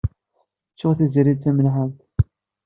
Tuɣ Tiziri d tamelḥant.